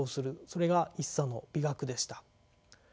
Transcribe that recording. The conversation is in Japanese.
それが一茶の美学でした。